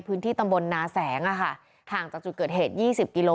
พื้นที่ตำบลนาแสงห่างจากจุดเกิดเหตุ๒๐กิโล